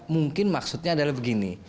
mungkin maksudnya adalah begini